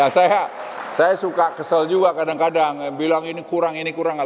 saya suka kesel juga kadang kadang bilang ini kurang ini kurang